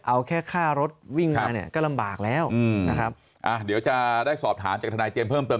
เอาแค่ค่ารถวิ่งมาเนี่ยก็ลำบากแล้วอืมนะครับอ่าเดี๋ยวจะได้สอบถามจากทนายเจมสเพิ่มเติม